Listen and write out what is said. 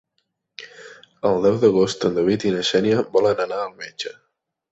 El deu d'agost en David i na Xènia volen anar al metge.